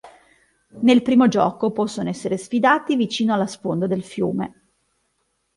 Nel primo gioco possono essere sfidati vicino alla sponda del fiume.